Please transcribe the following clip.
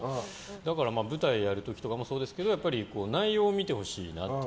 だから、舞台をやる時とかもそうですけど内容を見てほしいなと。